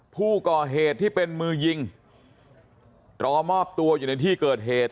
ผู้ก่อเหตุที่เป็นมือยิงรอมอบตัวอยู่ในที่เกิดเหตุ